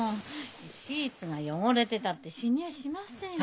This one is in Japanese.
シーツが汚れてたって死にやしませんよ。